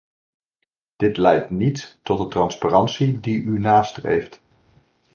Dit leidt niet tot de transparantie die u nastreeft.